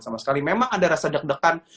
sama sekali memang ada rasa deg degan